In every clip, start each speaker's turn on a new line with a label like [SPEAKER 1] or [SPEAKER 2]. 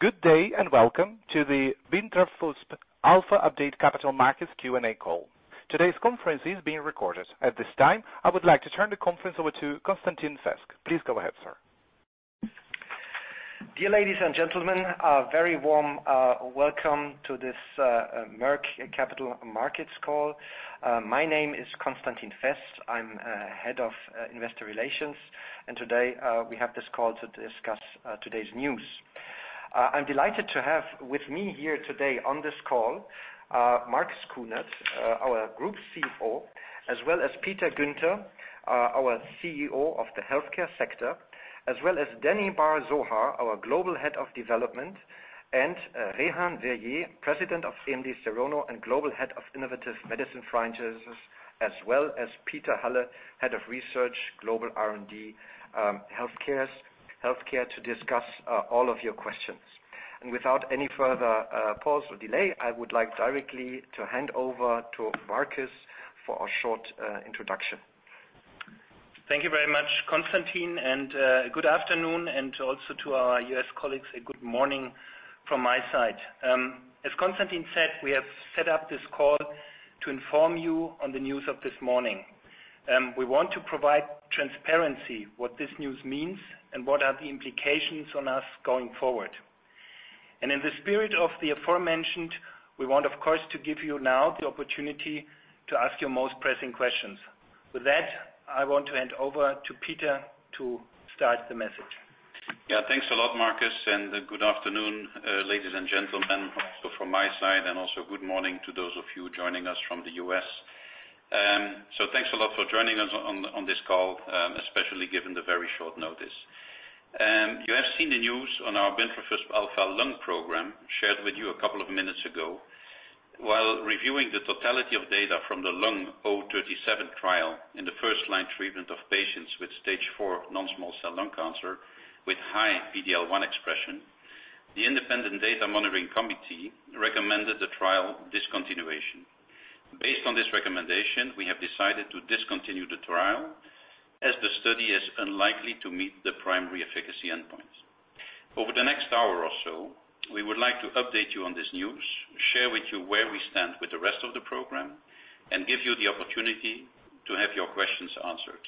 [SPEAKER 1] Good day, welcome to the bintrafusp alfa Update Capital Markets Q&A call. Today's conference is being recorded. At this time, I would like to turn the conference over to Constantin Fest. Please go ahead, sir.
[SPEAKER 2] Dear ladies and gentlemen, a very warm welcome to this Merck Capital Markets call. My name is Constantin Fest. I'm Head of Investor Relations. Today we have this call to discuss today's news. I'm delighted to have with me here today on this call, Marcus Kuhnert, our Group CFO, as well as Peter Guenter, our CEO of the healthcare sector, as well as Danny Bar-Zohar, our Global Head of Development, and Rehan Verjee, President of EMD Serono and Global Head of Innovative Medicine Franchises, as well as Joern-Peter Halle, Head of Research, Global R&D, Healthcare, to discuss all of your questions. Without any further pause or delay, I would like directly to hand over to Marcus for a short introduction.
[SPEAKER 3] Thank you very much, Constantin, good afternoon, and also to our U.S. colleagues, a good morning from my side. As Constantin said, we have set up this call to inform you on the news of this morning. We want to provide transparency, what this news means, and what are the implications on us going forward. In the spirit of the aforementioned, we want, of course, to give you now the opportunity to ask your most pressing questions. With that, I want to hand over to Peter to start the message.
[SPEAKER 4] Thanks a lot, Marcus, good afternoon, ladies and gentlemen, also from my side, and also good morning to those of you joining us from the U.S. Thanks a lot for joining us on this call, especially given the very short notice. You have seen the news on our bintrafusp alfa lung program shared with you a couple of minutes ago. While reviewing the totality of data from the Lung 037 trial in the first-line treatment of patients with stage four non-small cell lung cancer with high PD-L1 expression, the independent data monitoring committee recommended the trial discontinuation. Based on this recommendation, we have decided to discontinue the trial, as the study is unlikely to meet the primary efficacy endpoints. Over the next hour or so, we would like to update you on this news, share with you where we stand with the rest of the program, and give you the opportunity to have your questions answered.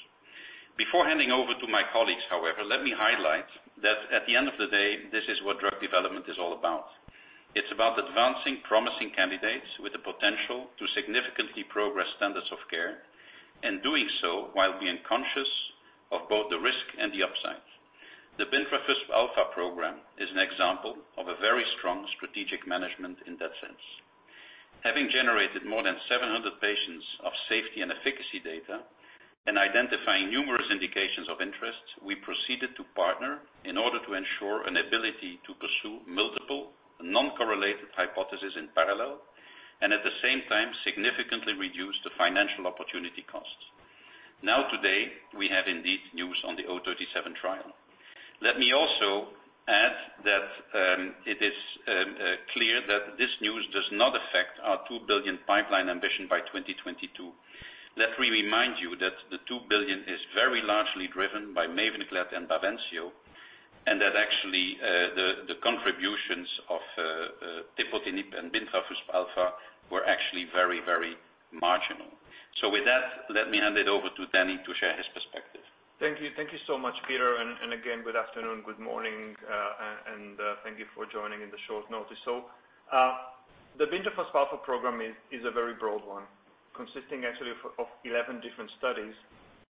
[SPEAKER 4] Before handing over to my colleagues, however, let me highlight that at the end of the day, this is what drug development is all about. It's about advancing promising candidates with the potential to significantly progress standards of care, and doing so while being conscious of both the risk and the upside. The bintrafusp alfa program is an example of a very strong strategic management in that sense. Having generated more than 700 patients of safety and efficacy data and identifying numerous indications of interest, we proceeded to partner in order to ensure an ability to pursue multiple non-correlated hypothesis in parallel, and at the same time, significantly reduce the financial opportunity costs. Today, we have indeed news on the 037 trial. Let me also add that it is clear that this news does not affect our 2 billion pipeline ambition by 2022. Let me remind you that the 2 billion is very largely driven by MAVENCLAD and BAVENCIO, and that actually, the contributions of tepotinib and bintrafusp alfa were actually very marginal. With that, let me hand it over to Danny to share his perspective.
[SPEAKER 5] Thank you. Thank you so much, Peter, and again, good afternoon, good morning, and thank you for joining in the short notice. The bintrafusp alfa program is a very broad one, consisting actually of 11 different studies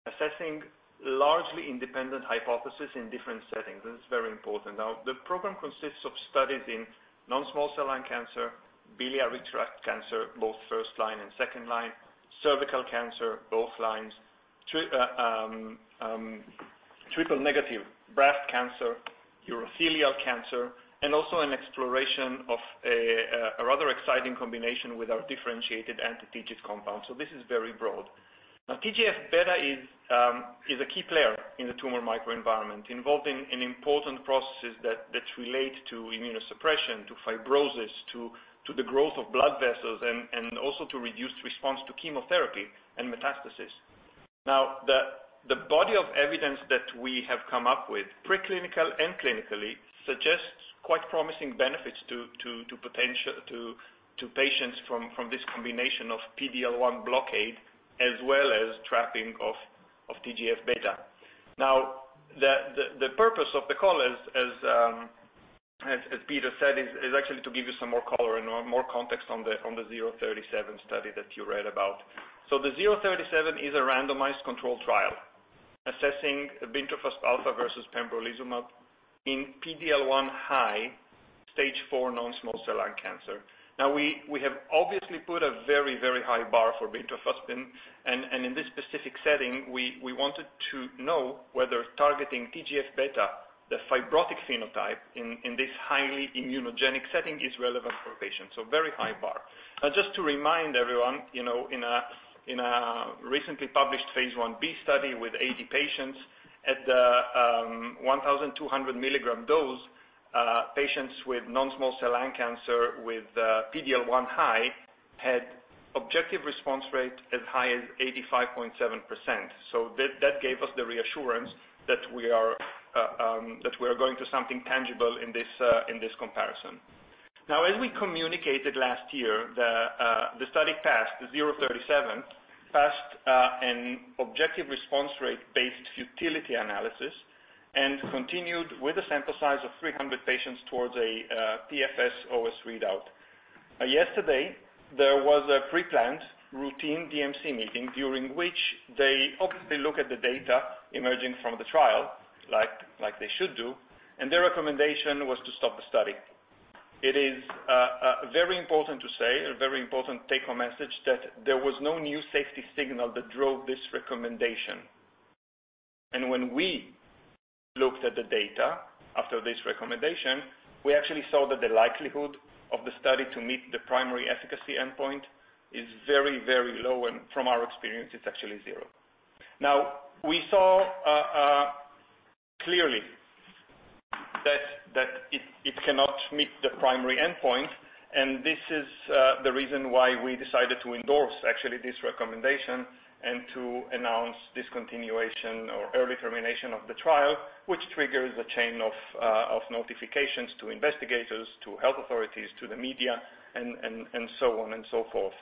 [SPEAKER 5] assessing largely independent hypothesis in different settings. This is very important. The program consists of studies in non-small cell lung cancer, biliary tract cancer, both first line and second line, cervical cancer, both lines, triple-negative breast cancer, urothelial cancer, and also an exploration of a rather exciting combination with our differentiated anti-TIGIT compound. This is very broad. TGF-beta is a key player in the tumor microenvironment, involved in important processes that relate to immunosuppression, to fibrosis, to the growth of blood vessels, and also to reduced response to chemotherapy and metastasis. The body of evidence that we have come up with, preclinical and clinically, suggests quite promising benefits to patients from this combination of PD-L1 blockade, as well as trapping of TGF-beta. The purpose of the call, as Peter said, is actually to give you some more color and more context on the 037 study that you read about. The 037 is a randomized controlled trial assessing bintrafusp alfa versus pembrolizumab in PD-L1 high stage four non-small cell lung cancer. We have obviously put a very high bar for bintrafusp, and in this specific setting, we wanted to know whether targeting TGF-beta, the fibrotic phenotype in this highly immunogenic setting is relevant for patients. Very high bar. Just to remind everyone, in a recently published phase I-B study with 80 patients at the 1,200 milligram dose, patients with non-small cell lung cancer with PD-L1 high had objective response rate as high as 85.7%. That gave us the reassurance that we are going to something tangible in this comparison. As we communicated last year, the study passed, the 037, passed an objective response rate-based utility analysis and continued with a sample size of 300 patients towards a PFS OS readout. Yesterday, there was a pre-planned routine DMC meeting during which they obviously look at the data emerging from the trial, like they should do, and their recommendation was to stop the study. It is very important to say, a very important take-home message, that there was no new safety signal that drove this recommendation. When we looked at the data after this recommendation, we actually saw that the likelihood of the study to meet the primary efficacy endpoint is very low, and from our experience, it's actually zero. We saw clearly that it cannot meet the primary endpoint, and this is the reason why we decided to endorse actually this recommendation and to announce discontinuation or early termination of the trial, which triggers a chain of notifications to investigators, to health authorities, to the media, and so on and so forth.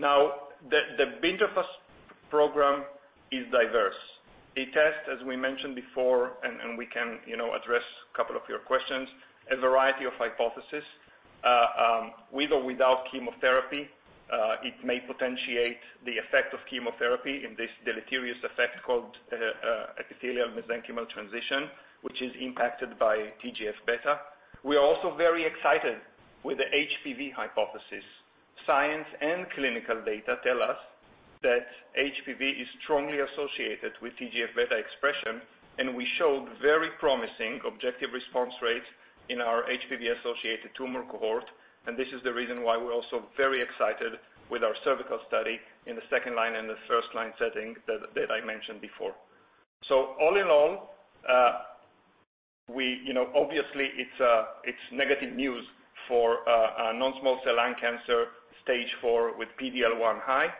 [SPEAKER 5] The bintrafusp program is diverse. It tests, as we mentioned before, and we can address a couple of your questions, a variety of hypotheses. With or without chemotherapy, it may potentiate the effect of chemotherapy in this deleterious effect called epithelial-mesenchymal transition, which is impacted by TGF-beta. We are also very excited with the HPV hypothesis. Science and clinical data tell us that HPV is strongly associated with TGF-beta expression, and we showed very promising objective response rates in our HPV-associated tumor cohort. This is the reason why we're also very excited with our cervical study in the second line and the first line setting that I mentioned before. All in all, obviously it's negative news for non-small cell lung cancer stage four with PD-L1 high.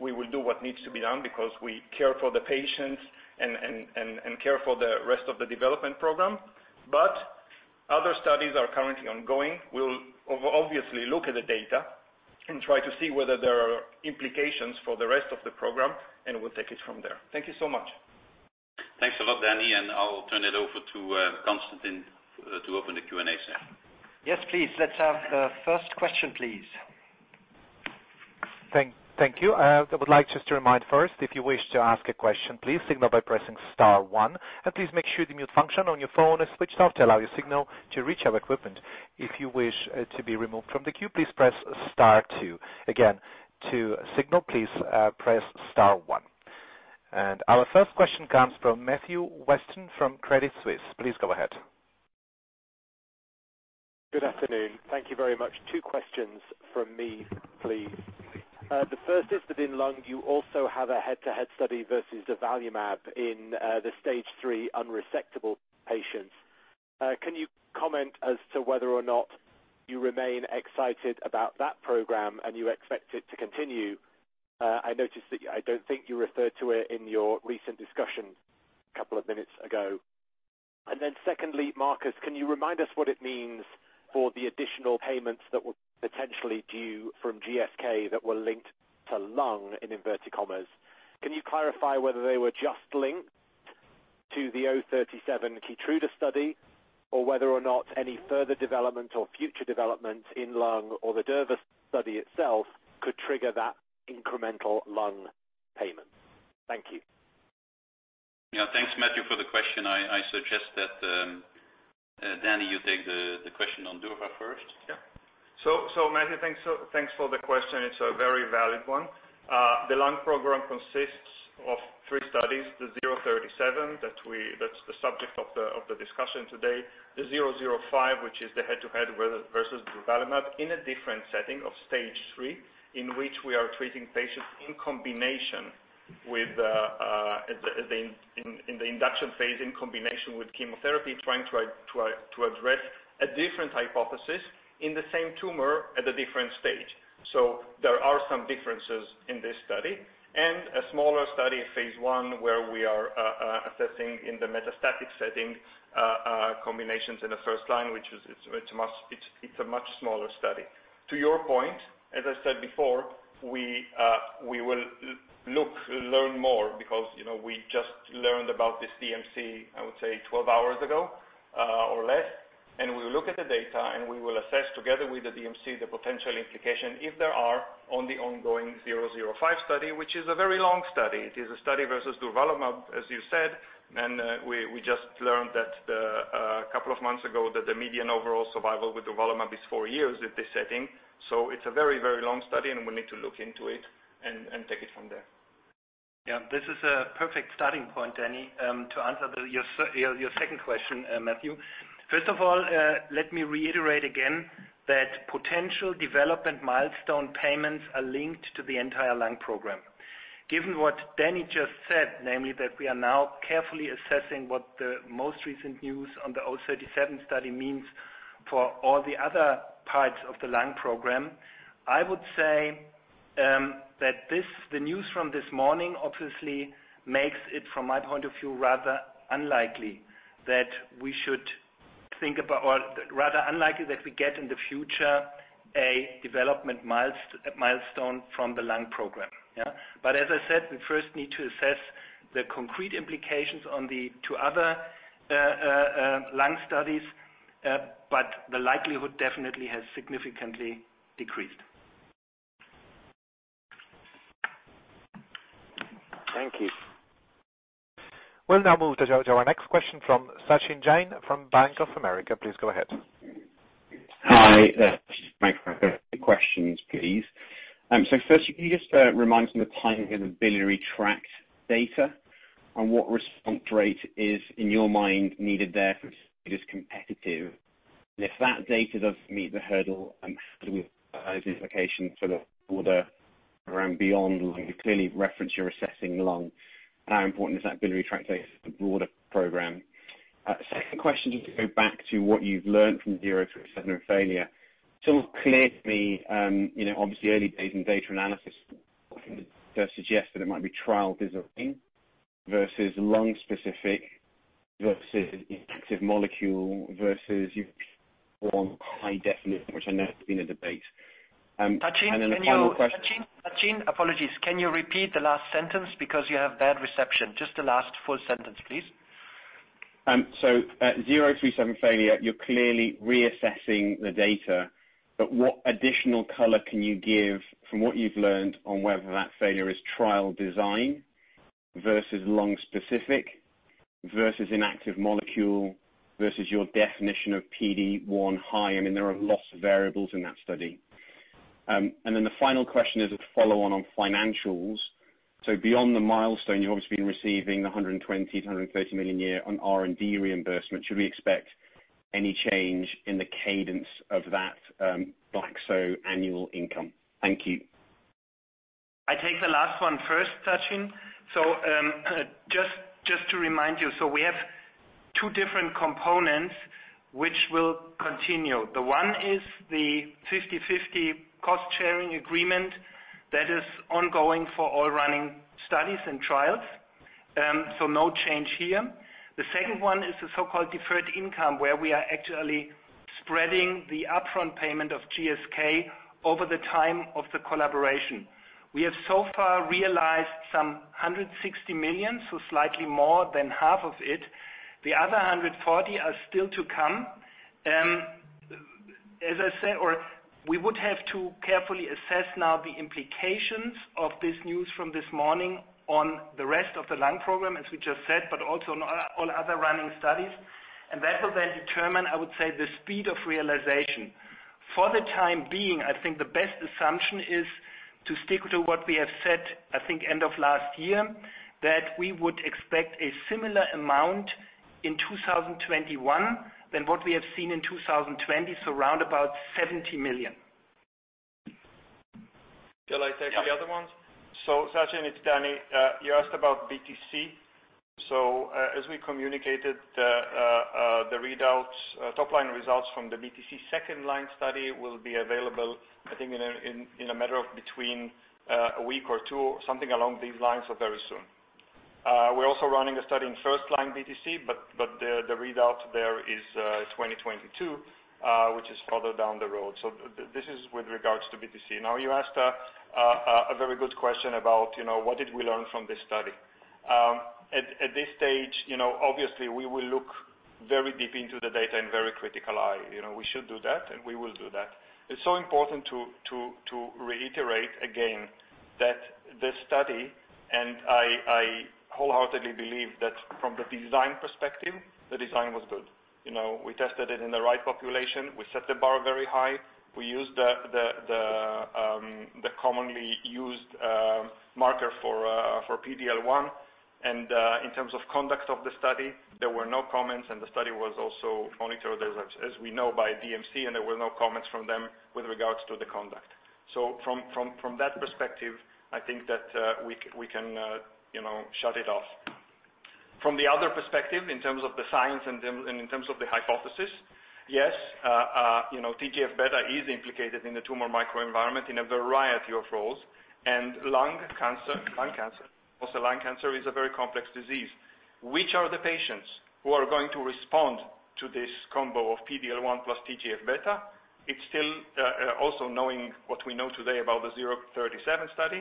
[SPEAKER 5] We will do what needs to be done because we care for the patients and care for the rest of the development program. Other studies are currently ongoing. We'll obviously look at the data and try to see whether there are implications for the rest of the program, and we'll take it from there. Thank you so much.
[SPEAKER 4] Thanks a lot, Danny. I'll turn it over to Constantin to open the Q&A session.
[SPEAKER 2] Yes, please. Let's have the first question, please.
[SPEAKER 1] Thank you. I would like to remind first, if you wish to ask a question, please signal by pressing star one. Please make sure the mute function on your phone is switched off to allow your signal to reach our equipment. If you wish to be removed from the queue, please press star two. Again, to signal, please press star one. Our first question comes from Matthew Weston from Credit Suisse. Please go ahead.
[SPEAKER 6] Good afternoon. Thank you very much. Two questions from me, please. The first is within lung, you also have a head-to-head study versus a durvalumab in the stage three unresectable patients. Can you comment as to whether or not you remain excited about that program and you expect it to continue? I noticed that I don't think you referred to it in your recent discussion a couple of minutes ago. Secondly, Marcus, can you remind us what it means for the additional payments that were potentially due from GSK that were linked to lung in inverted commas? Can you clarify whether they were just linked to the 037 KEYTRUDA study or whether or not any further development or future development in lung or the durva study itself could trigger that incremental lung payment? Thank you.
[SPEAKER 4] Yeah, thanks Matthew, for the question. I suggest that, Danny, you take the question on durva first.
[SPEAKER 5] Matthew, thanks for the question. It's a very valid one. The lung program consists of three studies, the 037, that's the subject of the discussion today, the 006, which is the head-to-head versus durvalumab in a different setting of stage three, in which we are treating patients in the induction phase in combination with chemotherapy, trying to address a different hypothesis in the same tumor at a different stage. There are some differences in this study. A smaller study, a phase I, where we are assessing in the metastatic setting combinations in the first line, which it's a much smaller study. To your point, as I said before, we will look, learn more because we just learned about this DMC, I would say 12 hours ago or less. We will look at the data, and we will assess together with the DMC, the potential implication, if there are, on the ongoing 006 study, which is a very long study. It is a study versus durvalumab, as you said. We just learned a couple of months ago that the median overall survival with durvalumab is four years at this setting. It's a very long study, and we need to look into it and take it from there.
[SPEAKER 3] This is a perfect starting point, Danny, to answer your second question, Matthew. First of all, let me reiterate again that potential development milestone payments are linked to the entire lung program. Given what Danny just said, namely that we are now carefully assessing what the most recent news on the 037 study means for all the other parts of the lung program, I would say that the news from this morning obviously makes it, from my point of view, rather unlikely that we get in the future a development milestone from the lung program. As I said, we first need to assess the concrete implications on the two other lung studies, but the likelihood definitely has significantly decreased.
[SPEAKER 6] Thank you.
[SPEAKER 1] We'll now move to our next question from Sachin Jain from Bank of America. Please go ahead.
[SPEAKER 7] Hi. Sachin from Bank of America. Questions, please. First, can you just remind me of the timing of the biliary tract data on what response rate is, in your mind, needed there for it to be just competitive? If that data does meet the hurdle, how do we identification sort of order around beyond lung? You clearly reference you're assessing lung. How important is that biliary tract data to the broader program? Second question, just to go back to what you've learned from 037 failure. Clearly, obviously early days in data analysis, I think the data suggests that it might be trial design versus lung specific, versus inactive molecule versus you've performed high definite, which I know has been a debate. The final question.
[SPEAKER 3] Sachin, apologies. Can you repeat the last sentence because you have bad reception? Just the last full sentence, please.
[SPEAKER 7] 037 failure, you're clearly reassessing the data, but what additional color can you give from what you've learned on whether that failure is trial design versus lung specific, versus inactive molecule, versus your definition of PD-L1 high? There are lots of variables in that study. The final question is a follow-on on financials. Beyond the milestone, you've obviously been receiving the 120 million-130 million a year on R&D reimbursement. Should we expect any change in the cadence of that Glaxo annual income? Thank you.
[SPEAKER 3] I take the last one first, Sachin. Just to remind you. We have two different components which will continue. One is the 50/50 cost-sharing agreement that is ongoing for all running studies and trials. No change here. The second one is the so-called deferred income, where we are actually spreading the upfront payment of GSK over the time of the collaboration. We have so far realized some 160 million, so slightly more than half of it. The other 140 are still to come. We would have to carefully assess now the implications of this news from this morning on the rest of the lung program, as we just said, but also on all other running studies. That will then determine, I would say, the speed of realization. For the time being, I think the best assumption is to stick to what we have said, I think end of last year, that we would expect a similar amount in 2021 than what we have seen in 2020. Around about 70 million.
[SPEAKER 4] You'll take the other ones?
[SPEAKER 5] Sachin, it's Danny. You asked about BTC. As we communicated the readouts, top-line results from the BTC second-line study will be available, I think in a matter of between a week or two, something along these lines, very soon. We're also running a study in first-line BTC, but the readout there is 2022, which is further down the road. This is with regards to BTC. You asked a very good question about what did we learn from this study. At this stage, obviously we will look very deep into the data and very critical eye. We should do that, and we will do that. It's so important to reiterate again that the study, and I wholeheartedly believe that from the design perspective, the design was good. We tested it in the right population. We set the bar very high. We used the commonly used marker for PD-L1. In terms of conduct of the study, there were no comments, and the study was also monitored, as we know, by DMC, and there were no comments from them with regards to the conduct. From that perspective, I think that we can shut it off. From the other perspective, in terms of the science and in terms of the hypothesis, yes, TGF-beta is implicated in the tumor microenvironment in a variety of roles. Lung cancer is a very complex disease. Which are the patients who are going to respond to this combo of PD-L1 plus TGF-beta? Knowing what we know today about the 037 study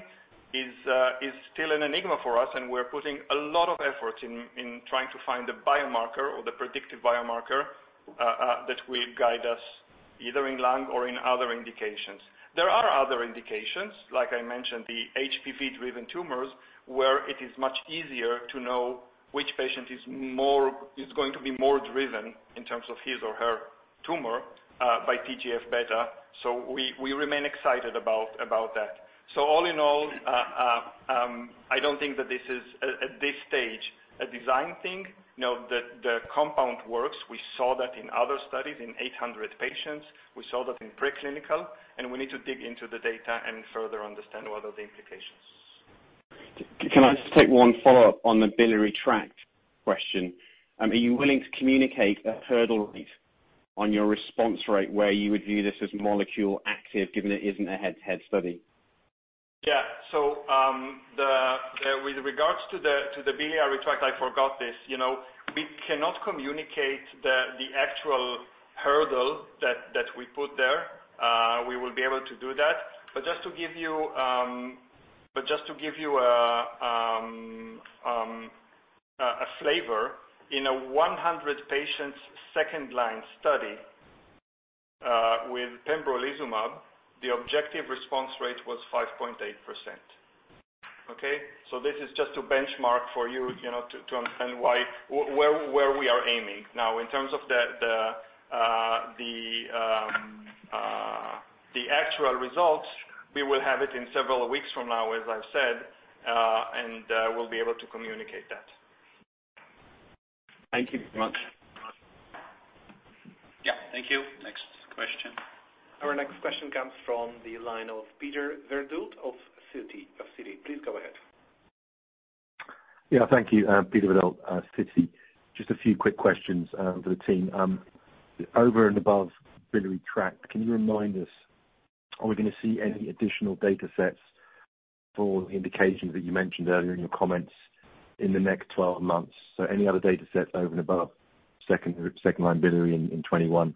[SPEAKER 5] is still an enigma for us, and we're putting a lot of effort in trying to find the biomarker or the predictive biomarker that will guide us either in lung or in other indications. There are other indications, like I mentioned, the HPV-driven tumors, where it is much easier to know which patient is going to be more driven in terms of his or her tumor by TGF-beta. We remain excited about that. All in all, I don't think that this is, at this stage, a design thing. The compound works. We saw that in other studies in 800 patients. We saw that in preclinical, and we need to dig into the data and further understand what are the implications.
[SPEAKER 7] Can I just take one follow-up on the biliary tract question? Are you willing to communicate a hurdle rate on your response rate where you would view this as molecule active, given it isn't a head-to-head study?
[SPEAKER 5] Yeah. With regards to the biliary tract, I forgot this. We cannot communicate the actual hurdle that we put there. We will be able to do that. Just to give you a flavor, in a 100 patients second-line study, with pembrolizumab, the objective response rate was 5.8%. Okay? This is just a benchmark for you to understand where we are aiming. Now, in terms of the actual results, we will have it in several weeks from now, as I've said, and we'll be able to communicate that.
[SPEAKER 7] Thank you very much.
[SPEAKER 4] Yeah, thank you. Next question.
[SPEAKER 1] Our next question comes from the line of Peter Verdult of Citi. Please go ahead.
[SPEAKER 8] Yeah, thank you. Peter Verdult, Citi. Just a few quick questions for the team. Over and above biliary tract, can you remind us, are we going to see any additional data sets for indications that you mentioned earlier in your comments in the next 12 months? Any other data sets over and above second-line biliary in 2021.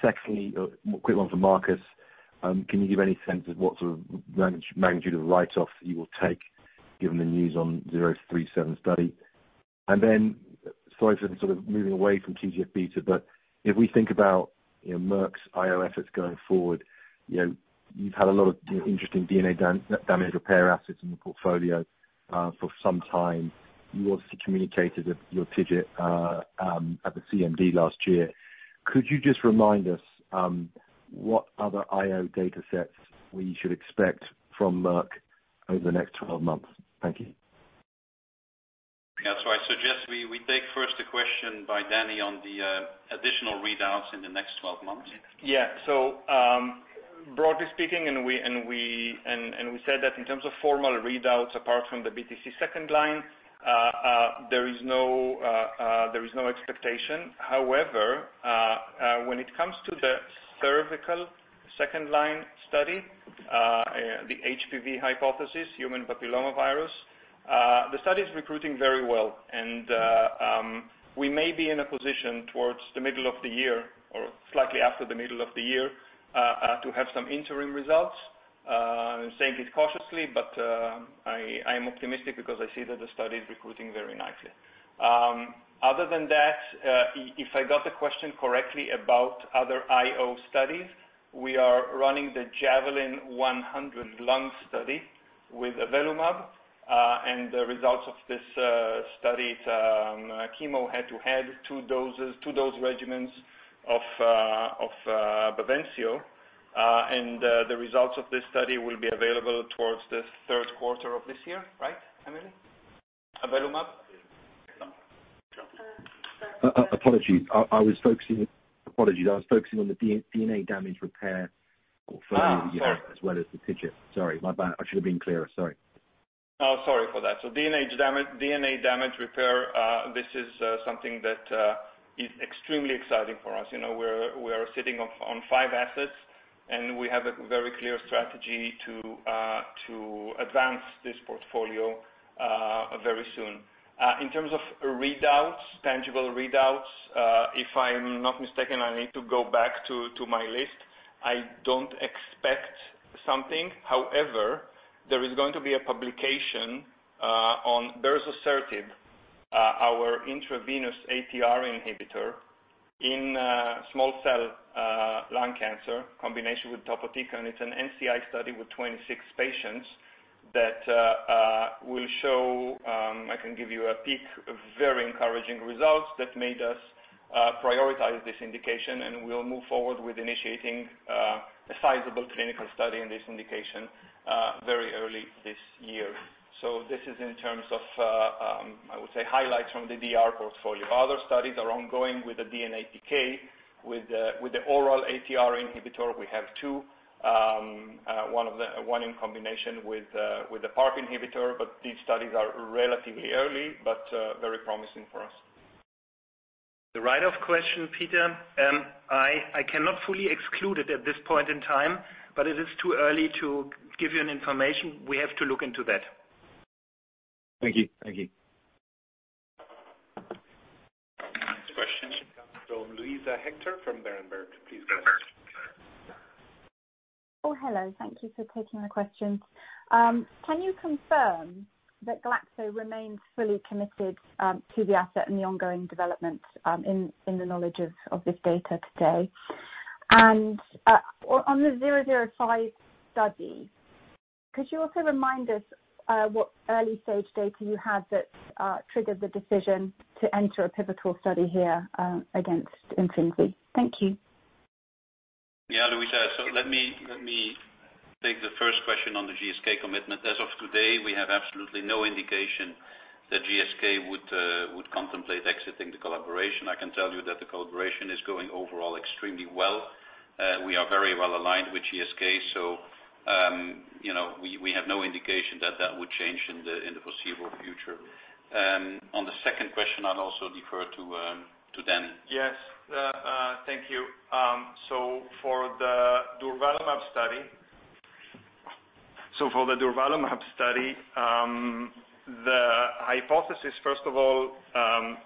[SPEAKER 8] Secondly, a quick one for Marcus. Can you give any sense of what sort of magnitude of write-off you will take given the news on 037 study? Sorry for sort of moving away from TGF-beta, but if we think about Merck's IO efforts going forward, you've had a lot of interesting DNA damage repair assets in the portfolio for some time. You also communicated with your TIGIT at the CMD last year. Could you just remind us what other IO data sets we should expect from Merck over the next 12 months? Thank you.
[SPEAKER 4] Yeah. I suggest we take first a question by Danny on the additional readouts in the next 12 months.
[SPEAKER 5] Broadly speaking, and we said that in terms of formal readouts, apart from the BTC second-line, there is no expectation. However, when it comes to the cervical second-line study, the HPV hypothesis, human papillomavirus, the study is recruiting very well, and we may be in a position towards the middle of the year or slightly after the middle of the year, to have some interim results. I am saying it cautiously, but I am optimistic because I see that the study is recruiting very nicely. Other than that, if I got the question correctly about other IO studies, we are running the JAVELIN Lung 100 study with avelumab, and the results of this study, it is chemo head-to-head, two dose regimens of BAVENCIO. The results of this study will be available towards the third quarter of this year, right, Emily? avelumab?
[SPEAKER 8] Apologies. I was focusing on the DNA damage repair portfolio-
[SPEAKER 5] Sorry.
[SPEAKER 8] -as well as the TIGIT. Sorry, my bad. I should have been clearer. Sorry.
[SPEAKER 5] Oh, sorry for that. DNA damage repair, this is something that is extremely exciting for us. We are sitting on five assets, and we have a very clear strategy to advance this portfolio very soon. In terms of readouts, tangible readouts, if I'm not mistaken, I need to go back to my list. I don't expect something. However, there is going to be a publication on berzosertib, our intravenous ATR inhibitor in small cell lung cancer combination with topotecan. It's an NCI study with 26 patients that will show, I can give you a peek, very encouraging results that made us prioritize this indication, and we'll move forward with initiating a sizable clinical study in this indication very early this year. This is in terms of, I would say, highlights from the DDR portfolio. Other studies are ongoing with the DNA PK, with the oral ATR inhibitor, we have two. One in combination with a PARP inhibitor, these studies are relatively early but very promising for us.
[SPEAKER 4] The write-off question, Peter, I cannot fully exclude it at this point in time, but it is too early to give you any information. We have to look into that.
[SPEAKER 8] Thank you.
[SPEAKER 4] Next question.
[SPEAKER 1] From Luisa Hector from Berenberg. Please go ahead.
[SPEAKER 9] Oh, hello. Thank you for taking the questions. Can you confirm that Glaxo remains fully committed to the asset and the ongoing development in the knowledge of this data today? On the 006 study, could you also remind us what early-stage data you had that triggered the decision to enter a pivotal study here against IMFINZI? Thank you.
[SPEAKER 4] Yeah, Luisa. Let me take the first question on the GSK commitment. As of today, we have absolutely no indication that GSK would contemplate exiting the collaboration. I can tell you that the collaboration is going overall extremely well. We are very well-aligned with GSK, we have no indication that that would change in the foreseeable future. On the second question, I'll also defer to Danny.
[SPEAKER 5] Yes. Thank you. For the durvalumab study, the hypothesis, first of all, and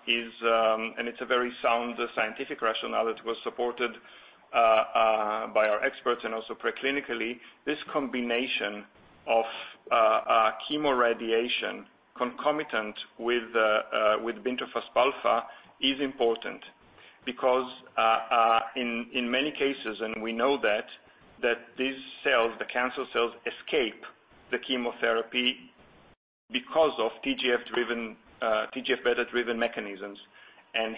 [SPEAKER 5] it's a very sound scientific rationale that was supported by our experts and also preclinically. This combination of chemoradiation concomitant with bintrafusp alfa is important because, in many cases, and we know that, these cells, the cancer cells, escape the chemotherapy because of TGF-beta-driven mechanisms.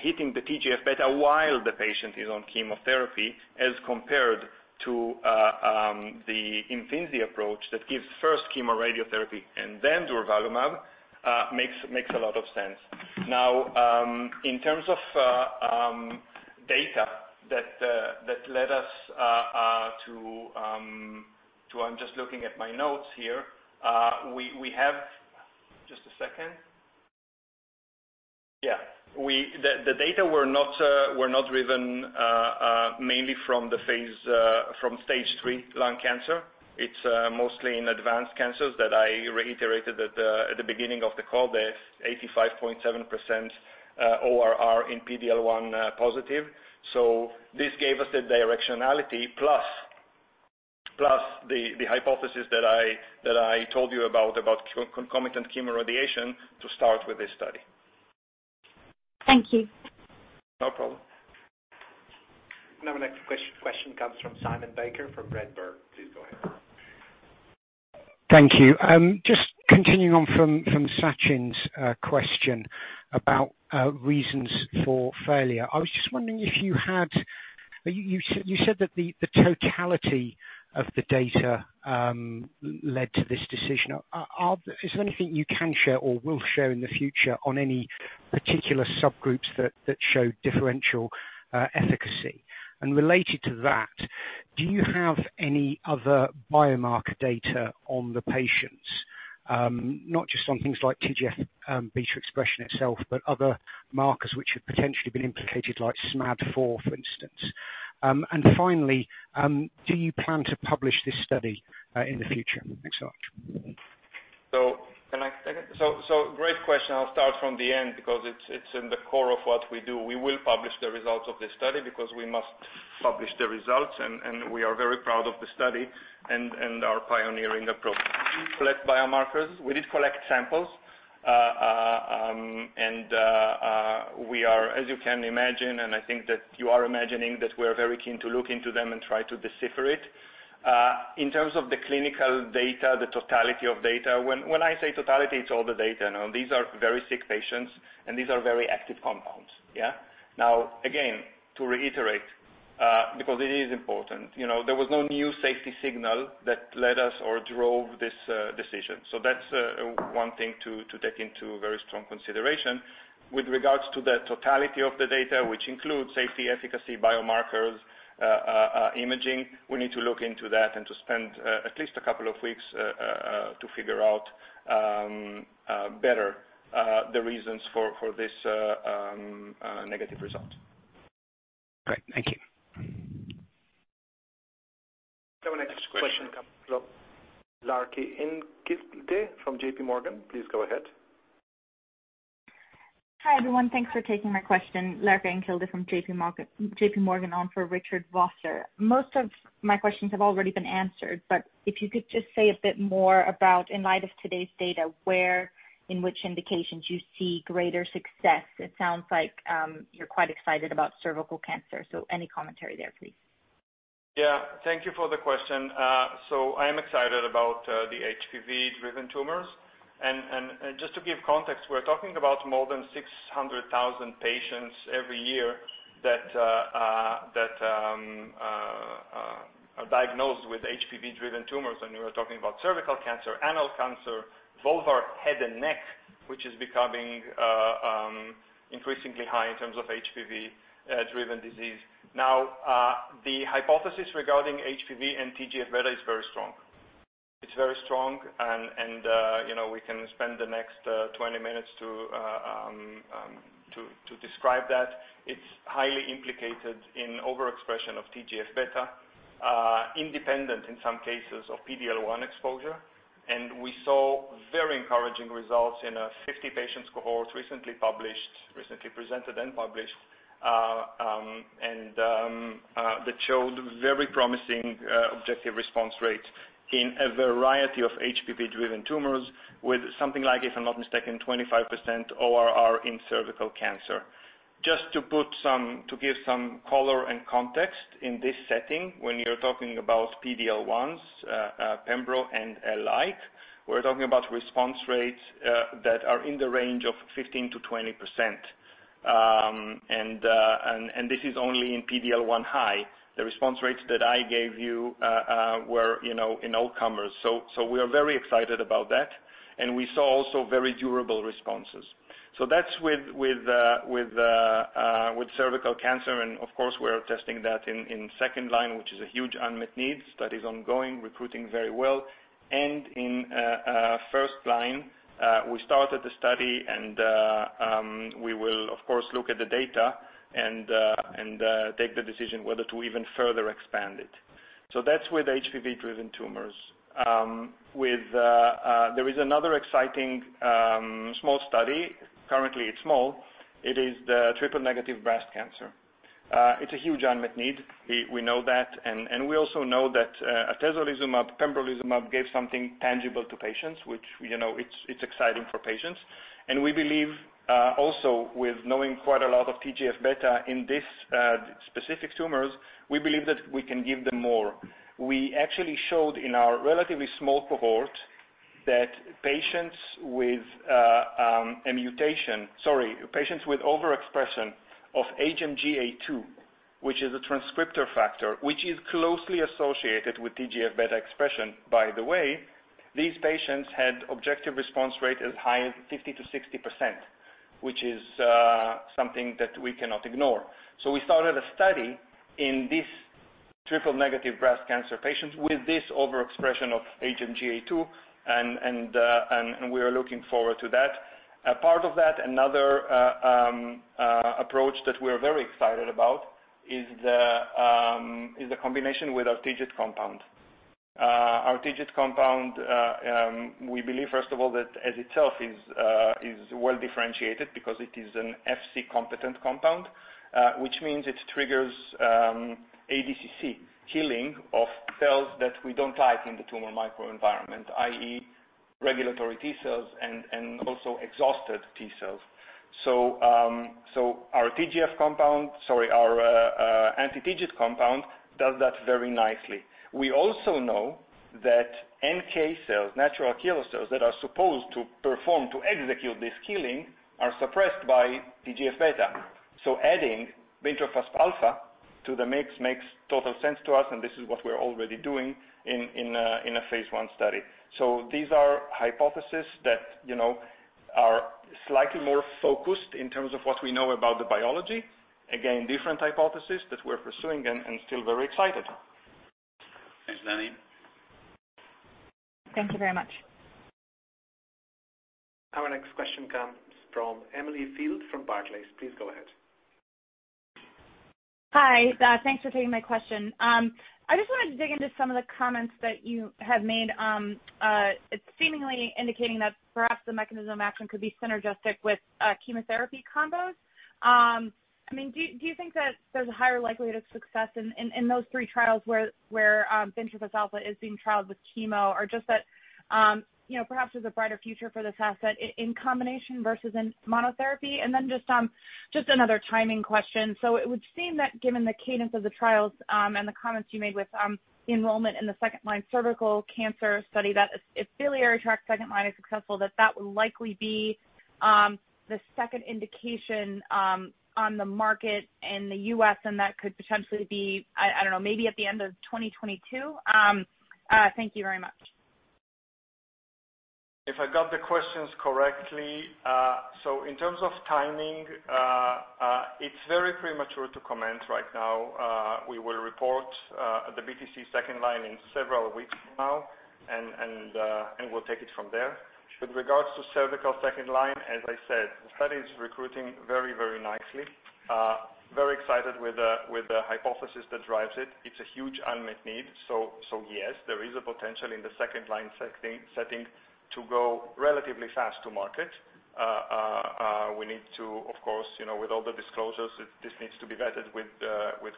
[SPEAKER 5] Hitting the TGF-beta while the patient is on chemotherapy, as compared to the IMFINZI approach that gives first chemo radiotherapy and then durvalumab, makes a lot of sense. In terms of data that led us to I'm just looking at my notes here. Just a second. The data were not driven mainly from stage three lung cancer. It's mostly in advanced cancers that I reiterated at the beginning of the call, the 85.7% ORR in PD-L1 positive. This gave us the directionality, plus the hypothesis that I told you about concomitant chemoradiation to start with this study.
[SPEAKER 9] Thank you.
[SPEAKER 5] No problem.
[SPEAKER 1] Our next question comes from Simon Baker from Redburn. Please go ahead.
[SPEAKER 10] Thank you. Just continuing on from Sachin's question about reasons for failure. I was just wondering, you said that the totality of the data led to this decision. Is there anything you can share or will share in the future on any particular subgroups that show differential efficacy? Related to that, do you have any other biomarker data on the patients? Not just on things like TGF-beta expression itself, but other markers which have potentially been implicated, like SMAD4, for instance. Finally, do you plan to publish this study in the future? Thanks so much.
[SPEAKER 5] Great question. I'll start from the end because it's in the core of what we do. We will publish the results of this study because we must publish the results, and we are very proud of the study and our pioneering approach. Did we collect biomarkers? We did collect samples, and as you can imagine, and I think that you are imagining, that we're very keen to look into them and try to decipher it. In terms of the clinical data, the totality of data, when I say totality, it's all the data. These are very sick patients, and these are very active compounds. Yeah? Again, to reiterate, because it is important, there was no new safety signal that led us or drove this decision. That's one thing to take into very strong consideration. With regards to the totality of the data, which includes safety, efficacy, biomarkers, imaging, we need to look into that and to spend at least a couple of weeks, to figure out better the reasons for this negative result.
[SPEAKER 10] Great. Thank you.
[SPEAKER 1] Our next question comes from Larkin Kilde from JPMorgan. Please go ahead.
[SPEAKER 11] Hi, everyone. Thanks for taking my question. Larkin Kilde from JPMorgan on for Richard Vosser. Most of my questions have already been answered. If you could just say a bit more about, in light of today's data, where in which indications you see greater success. It sounds like you're quite excited about cervical cancer. Any commentary there, please.
[SPEAKER 5] Yeah. Thank you for the question. I am excited about the HPV-driven tumors. Just to give context, we're talking about more than 600,000 patients every year that are diagnosed with HPV-driven tumors, and we were talking about cervical cancer, anal cancer, vulvar, head and neck, which is becoming increasingly high in terms of HPV-driven disease. Now, the hypothesis regarding HPV and TGF-beta is very strong. It's very strong, and we can spend the next 20 minutes to describe that. It's highly implicated in overexpression of TGF-beta, independent in some cases of PD-L1 exposure. We saw very encouraging results in a 50-patient cohort recently published, recently presented and published, that showed very promising objective response rates in a variety of HPV-driven tumors with something like, if I'm not mistaken, 25% ORR in cervical cancer. Just to give some color and context in this setting, when we are talking about PD-L1, Pembro and alike, we're talking about response rates that are in the range of 15%-20%. And this is only in PD-L1 high. The response rates that I gave you were in all comers. We are very excited about that. We saw also very durable responses. That's with cervical cancer, and of course, we're testing that in second line, which is a huge unmet need. Study's ongoing, recruiting very well. In first line, we started the study, and we will, of course, look at the data and take the decision whether to even further expand it. That's with HPV-driven tumors. There is another exciting small study. Currently, it's small. It is the triple-negative breast cancer. It's a huge unmet need, we know that. We also know that atezolizumab, pembrolizumab gave something tangible to patients, which it's exciting for patients. We believe also with knowing quite a lot of TGF-beta in these specific tumors, we believe that we can give them more. We actually showed in our relatively small cohort that patients with overexpression of HMGA2, which is a transcriptor factor, which is closely associated with TGF-beta expression, by the way. These patients had objective response rate as high as 50%-60%, which is something that we cannot ignore. We started a study in these triple-negative breast cancer patients with this overexpression of HMGA2, and we are looking forward to that. A part of that, another approach that we're very excited about is the combination with our TIGIT compound. Our TIGIT compound, we believe, first of all, that as itself is well-differentiated because it is an Fc-competent compound, which means it triggers ADCC killing of cells that we don't like in the tumor microenvironment, i.e., regulatory T cells and also exhausted T cells. Our anti-TIGIT compound does that very nicely. We also know that NK cells, natural killer cells, that are supposed to perform, to execute this killing, are suppressed by TGF-beta. Adding bintrafusp alfa to the mix makes total sense to us, and this is what we're already doing in a phase I study. These are hypothesis that are slightly more focused in terms of what we know about the biology. Again, different hypothesis that we're pursuing and still very excited.
[SPEAKER 12] Thanks, Danny.
[SPEAKER 11] Thank you very much.
[SPEAKER 1] Our next question comes from Emily Field from Barclays. Please go ahead.
[SPEAKER 13] Hi. Thanks for taking my question. I just wanted to dig into some of the comments that you have made. It's seemingly indicating that perhaps the mechanism of action could be synergistic with chemotherapy combos. Do you think that there's a higher likelihood of success in those three trials where bintrafusp alfa is being trialed with chemo? Just that perhaps there's a brighter future for this asset in combination versus in monotherapy? Just another timing question. It would seem that given the cadence of the trials and the comments you made with enrollment in the second-line cervical cancer study, that if biliary tract second line is successful, that that will likely be the second indication on the market in the U.S., and that could potentially be, I don't know, maybe at the end of 2022. Thank you very much.
[SPEAKER 5] If I got the questions correctly, in terms of timing, it's very premature to comment right now. We will report the BTC second line in several weeks from now, and we'll take it from there. With regards to cervical second line, as I said, the study is recruiting very nicely. Very excited with the hypothesis that drives it. It's a huge unmet need. Yes, there is a potential in the second-line setting to go relatively fast to market. We need to, of course, with all the disclosures, this needs to be vetted with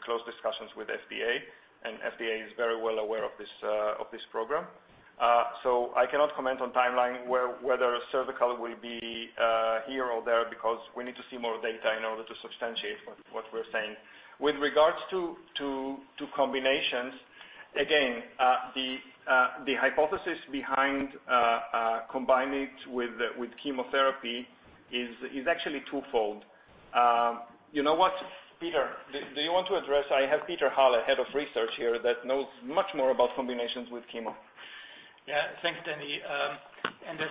[SPEAKER 5] close discussions with FDA, and FDA is very well aware of this program. I cannot comment on timeline whether cervical will be here or there because we need to see more data in order to substantiate what we're saying. With regards to combinations, again, the hypothesis behind combining it with chemotherapy is actually twofold. You know what, Peter, do you want to address? I have Peter Halle, Head of Research here that knows much more about combinations with chemo.
[SPEAKER 12] Thanks, Danny. This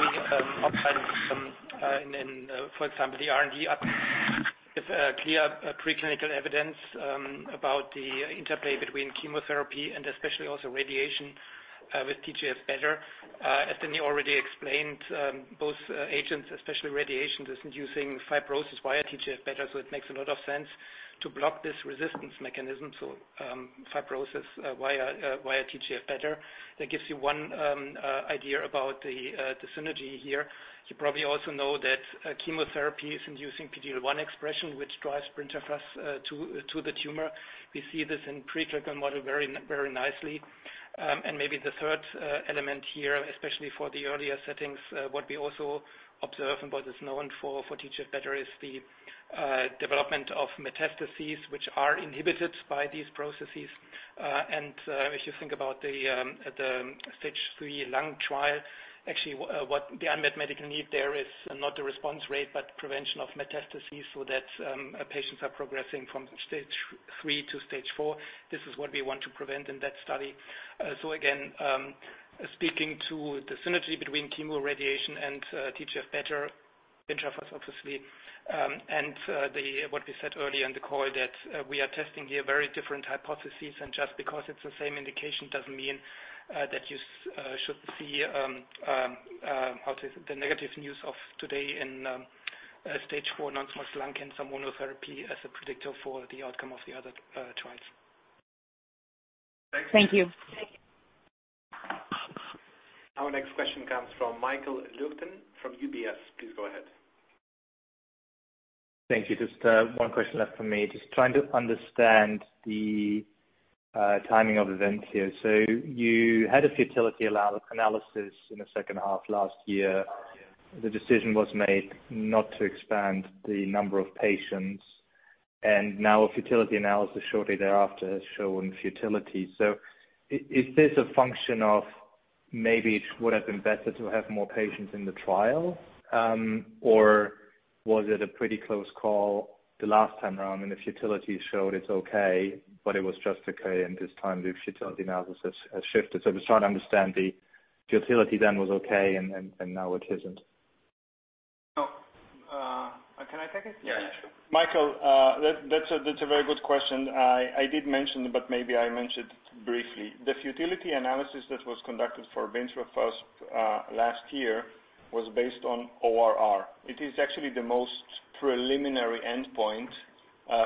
[SPEAKER 12] week, outside in, for example, the R&D, is a clear preclinical evidence about the interplay between chemotherapy and especially also radiation with TGF-beta. As Danny already explained, both agents, especially radiation, is inducing fibrosis via TGF-beta. It makes a lot of sense to block this resistance mechanism, so fibrosis via TGF-beta. That gives you one idea about the synergy here. You probably also know that chemotherapy is inducing PD-L1 expression, which drives bintrafusp to the tumor. We see this in preclinical model very nicely. Maybe the third element here, especially for the earlier settings, what we also observe and what is known for TGF-beta, is the development of metastases, which are inhibited by these processes. If you think about the stage three lung trial, actually, the unmet medical need there is not the response rate, but prevention of metastases so that patients are progressing from stage three to stage four. This is what we want to prevent in that study. Again, speaking to the synergy between chemo radiation and TGF-beta, be sure of us obviously, and what we said earlier in the call that we are testing here very different hypotheses. Just because it's the same indication doesn't mean that you should see the negative news of today in stage 4 non-small cell lung cancer monotherapy as a predictor for the outcome of the other trials.
[SPEAKER 13] Thank you.
[SPEAKER 5] Thank you.
[SPEAKER 1] Our next question comes from Michael Leuchten from UBS. Please go ahead.
[SPEAKER 14] Thank you. Just one question left for me. Just trying to understand the timing of events here. You had a futility analysis in the second half last year. The decision was made not to expand the number of patients, and now a futility analysis shortly thereafter has shown futility. Is this a function of maybe it would have been better to have more patients in the trial? Or was it a pretty close call the last time around, and the futility showed it's okay, but it was just okay, and this time the futility analysis has shifted? I'm just trying to understand the futility then was okay, and now it isn't.
[SPEAKER 5] Can I take it?
[SPEAKER 4] Yeah, sure.
[SPEAKER 5] Michael, that's a very good question. I did mention, but maybe I mentioned briefly. The futility analysis that was conducted for bintrafusp last year was based on ORR. It is actually the most preliminary endpoint,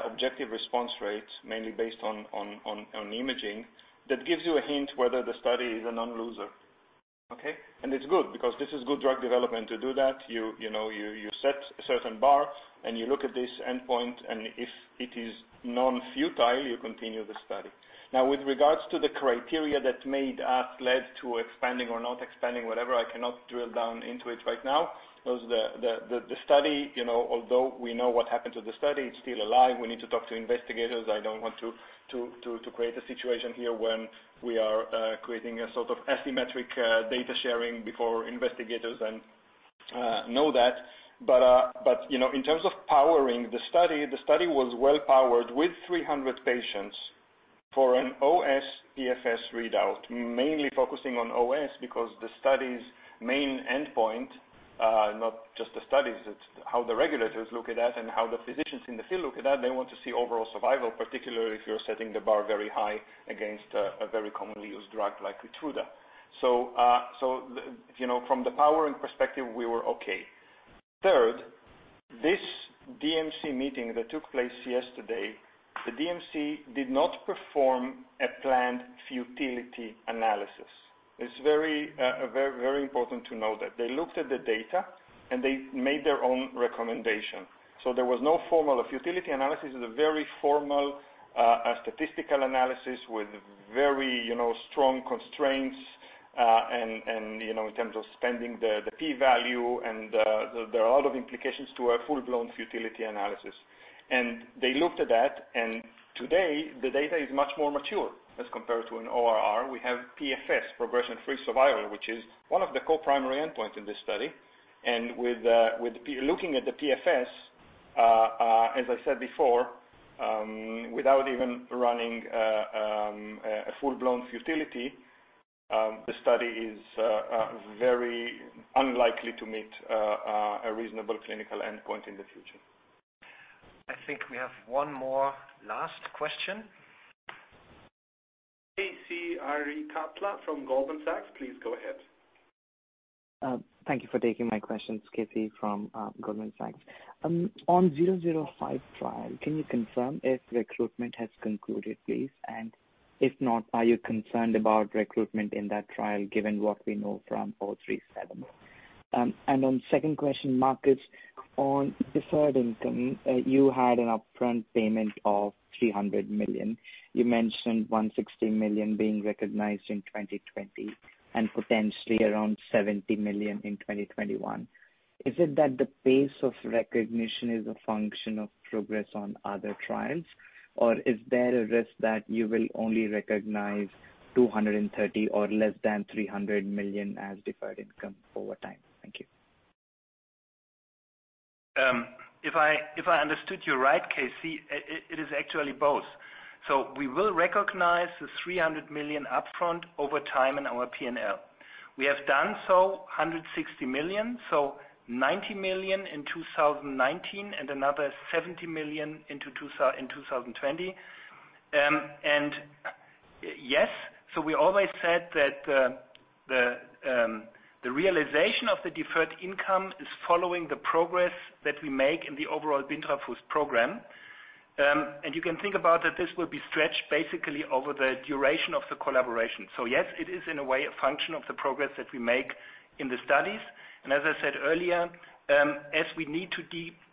[SPEAKER 5] objective response rate, mainly based on imaging, that gives you a hint whether the study is a non-loser. Okay? It's good because this is good drug development. To do that, you set a certain bar, and you look at this endpoint, and if it is non-futile, you continue the study. Now, with regards to the criteria that made us led to expanding or not expanding, whatever, I cannot drill down into it right now. The study, although we know what happened to the study, it's still alive. We need to talk to investigators. I don't want to create a situation here when we are creating a sort of asymmetric data sharing before investigators know that. In terms of powering the study, the study was well-powered with 300 patients for an OS PFS readout, mainly focusing on OS because the study's main endpoint, not just the studies, it's how the regulators look at that and how the physicians in the field look at that. They want to see overall survival, particularly if you're setting the bar very high against a very commonly used drug like KEYTRUDA. From the powering perspective, we were okay. Third, this DMC meeting that took place yesterday, the DMC did not perform a planned futility analysis. It's very important to know that. They looked at the data, and they made their own recommendation. A futility analysis is a very formal statistical analysis with very strong constraints and in terms of spending the P value, and there are a lot of implications to a full-blown futility analysis. They looked at that, and today the data is much more mature as compared to an ORR. We have PFS, progression-free survival, which is one of the co-primary endpoints in this study. With looking at the PFS, as I said before, without even running a full-blown futility, the study is very unlikely to meet a reasonable clinical endpoint in the future.
[SPEAKER 1] I think we have one more last question. K.C. Arikatla from Goldman Sachs, please go ahead.
[SPEAKER 15] Thank you for taking my questions. K.C. from Goldman Sachs. On 006 trial, can you confirm if recruitment has concluded, please? If not, are you concerned about recruitment in that trial given what we know from 037? On second question, Marcus, on deferred income, you had an upfront payment of 300 million. You mentioned 160 million being recognized in 2020 and potentially around 70 million in 2021. Is it that the pace of recognition is a function of progress on other trials, or is there a risk that you will only recognize 230 or less than 300 million as deferred income over time? Thank you.
[SPEAKER 3] If I understood you right, KC, it is actually both. We will recognize the 300 million upfront over time in our P&L. We have done so 160 million, so 90 million in 2019 and another 70 million in 2020. Yes, we always said that the realization of the deferred income is following the progress that we make in the overall bintrafusp program. You can think about that this will be stretched basically over the duration of the collaboration. Yes, it is in a way a function of the progress that we make in the studies. As I said earlier, as we need to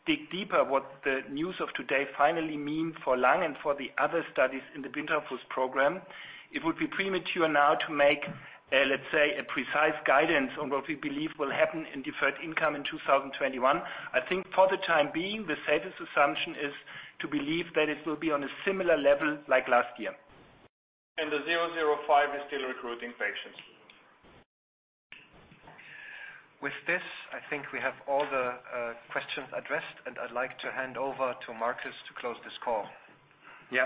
[SPEAKER 3] dig deeper what the news of today finally mean for Lung and for the other studies in the bintrafusp program, it would be premature now to make, let's say, a precise guidance on what we believe will happen in deferred income in 2021. I think for the time being, the safest assumption is to believe that it will be on a similar level like last year. The 006 is still recruiting patients. With this, I think we have all the questions addressed, and I'd like to hand over to Marcus to close this call. Yeah.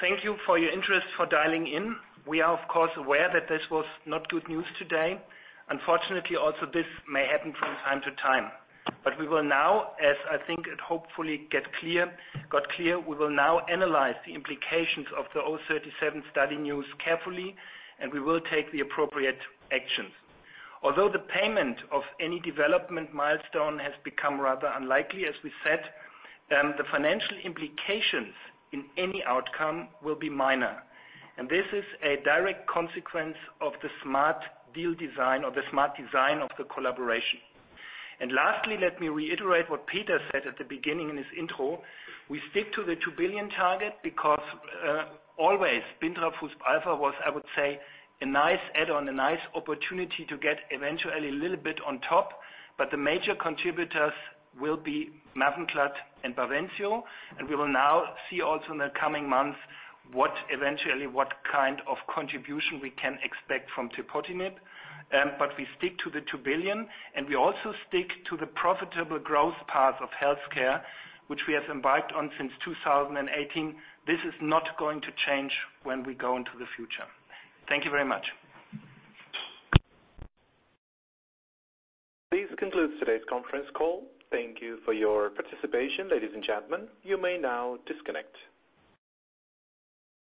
[SPEAKER 3] Thank you for your interest for dialing in. We are, of course, aware that this was not good news today. Unfortunately, also this may happen from time to time. We will now, as I think it hopefully got clear, we will now analyze the implications of the 037 study news carefully, and we will take the appropriate actions. Although the payment of any development milestone has become rather unlikely, as we said, the financial implications in any outcome will be minor. This is a direct consequence of the smart deal design or the smart design of the collaboration. Lastly, let me reiterate what Peter said at the beginning in his intro. We stick to the 2 billion target because, always bintrafusp alfa was, I would say, a nice add-on, a nice opportunity to get eventually a little bit on top, but the major contributors will be MAVENCLAD and BAVENCIO. We will now see also in the coming months, eventually, what kind of contribution we can expect from tepotinib.
[SPEAKER 2] We stick to the 2 billion, and we also stick to the profitable growth path of healthcare, which we have embarked on since 2018. This is not going to change when we go into the future. Thank you very much.
[SPEAKER 1] This concludes today's conference call. Thank you for your participation, ladies and gentlemen. You may now disconnect.